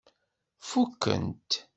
Fukent.